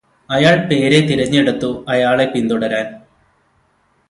അയാള് പേരെ തിരഞ്ഞെടുത്തു അയാളെ പിന്തുടരാൻ